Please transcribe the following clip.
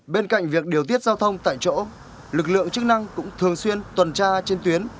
bên cạnh việc điều tiết giao thông tại chỗ lực lượng chức năng cũng thường xuyên tuần tra trên tuyến